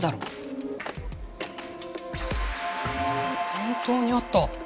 本当にあった！